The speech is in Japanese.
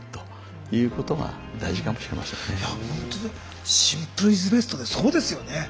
いやほんとにシンプルイズベストでそうですよね。